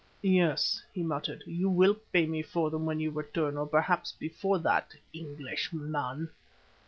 "Yes," he muttered, "you will pay me for them when you return, or perhaps before that, Englishman."